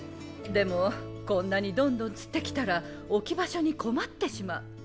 でもこんなにどんどん釣ってきたら置き場所に困ってしまう。